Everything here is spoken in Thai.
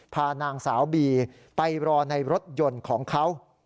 พานางสาวบีไปรอในรถยนต์ของเขา